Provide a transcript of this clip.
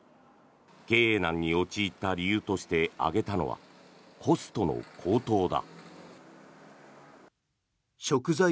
経営難に陥った理由として挙げたのはコストの高騰だ。